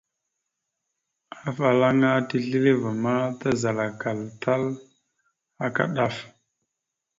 Afalaŋa tisleváma, tazalakal tal aka ɗaf.